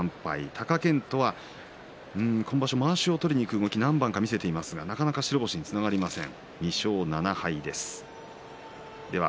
貴健斗は今場所まわしを取りにいく動き何番か見せていますが、なかなか白星につながりません。